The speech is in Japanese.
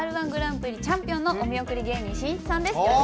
Ｒ−１グランプリチャンピオンのお見送り芸人しんいちさんです。